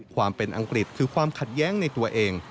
ความเป็นอังกฤษคือความขัดแย้งในตัวเอง